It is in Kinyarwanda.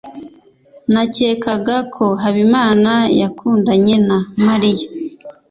nakekaga ko habimana yakundanye na mariya